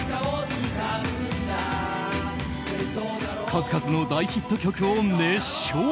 数々の大ヒット曲を熱唱。